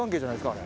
あれ。